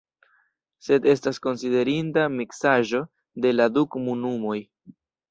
Sed estas konsiderinda miksaĵo de la du komunumoj.